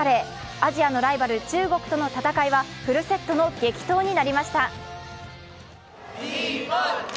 アジアのライバル、中国との戦いはフルセットの激闘になりました。